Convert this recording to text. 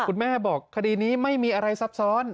คุณแม่บอกคดีนี้ไม่มีอะไรซับซ้อน